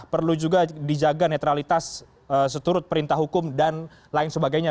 perlu juga dijaga netralitas seturut perintah hukum dan lain sebagainya